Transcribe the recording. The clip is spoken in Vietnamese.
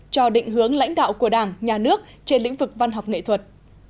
cho định hướng lãnh đạo của đảng nhà nước trên lĩnh vực văn học nghệ thuật